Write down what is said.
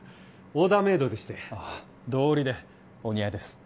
オーダーメードでしてどうりでお似合いです